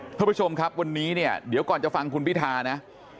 ท่านผู้ชมครับวันนี้เนี่ยเดี๋ยวก่อนจะฟังคุณพิธานะ